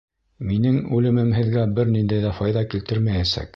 Минең үлемем һеҙгә бер ниндәй ҙә файҙа килтермәйәсәк.